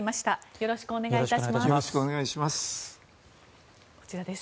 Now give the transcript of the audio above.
よろしくお願いします。